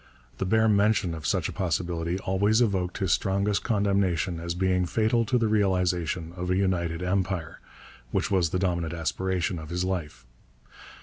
The bare mention of such a possibility always evoked his strongest condemnation as being fatal to the realization of a united Empire, which was the dominant aspiration of his life.